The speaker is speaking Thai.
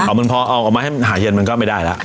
เอามันพอเอาออกมาให้มันหาเย็นมันก็ไม่ได้แล้ว